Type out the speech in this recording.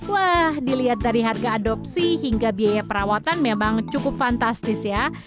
wah dilihat dari harga adopsi hingga biaya perawatan memang cukup fantastis ya